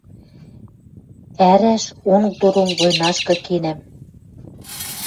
Ӓрӓш онг доно войнашкы кенӓм